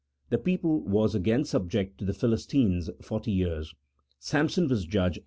137 The people was again subject to the Philistines Samson was judge